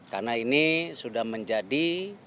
karena ini sudah menjadi